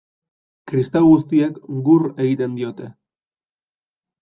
Kristau guztiek gur egiten diote.